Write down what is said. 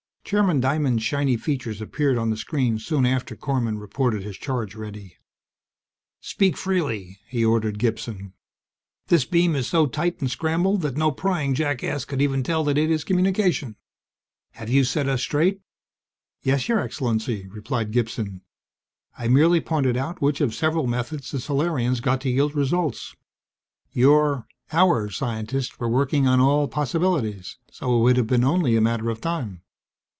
Chairman Diamond's shiny features appeared on the screen soon after Korman reported his charge ready. "Speak freely," he ordered Gibson. "This beam is so tight and scrambled that no prying jackass could even tell that it is communication. Have you set us straight?" "Yes, Your Excellency," replied Gibson. "I merely pointed out which of several methods the Solarians got to yield results. Your our scientists were working on all possibilities, so it would have been only a matter of time."